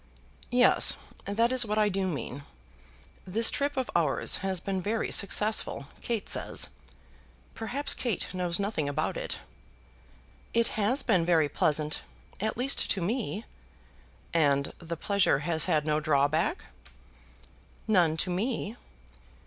"Yes, that is what I do mean. This trip of ours has been very successful, Kate says. Perhaps Kate knows nothing about it." "It has been very pleasant, at least to me." "And the pleasure has had no drawback?" "None to me."